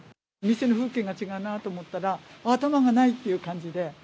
店の風景が違うなと思ったら、頭がない！っていう感じで。